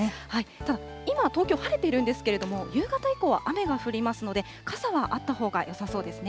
ただ、今、東京、晴れているんですけれども、夕方以降は雨が降りますので、傘はあったほうがよさそうですね。